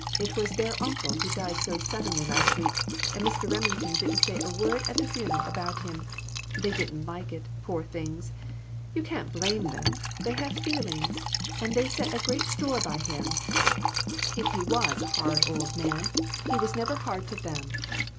It was their uncle who died so suddenly last week, and Mr. Remington didn't say a word at the funeral about him ; they didn't like it, poor things. You can't blame them ; they have feelings, and they set great store by him, if DON T REPEAT IT. 153 he was a hard old man ; he was never hard to them.